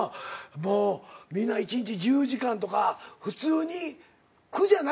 もうみんな１日１０時間とか普通に苦じゃなく言いよんねんね。